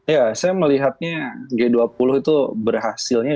ya saya melihatnya g dua puluh itu berhasilnya